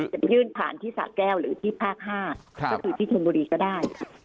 ไปยื่นผ่านที่สะแก้วหรือที่ภาค๕ก็คือที่ชนบุรีก็ได้ค่ะ